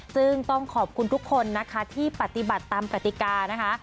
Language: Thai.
ซึ่งต้องขอบคุณทุกคนนะคะที่ปฏิบัติตามกติกานะคะ